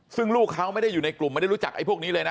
ซึ่งลูกเขาไม่ได้อยู่ในกลุ่มไม่ได้รู้จักไอ้พวกนี้เลยนะ